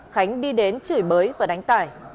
tài đến chửi bới và đánh tài